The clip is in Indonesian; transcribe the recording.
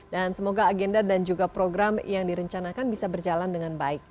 dan semoga agenda dan juga program yang direncanakan bisa berjalan dengan baik